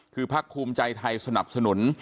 คือพักภูมิใจไทยสนับสนุน